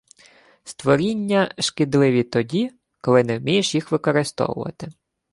Створіння шкідливі тоді, коли не вмієш їх використовувати.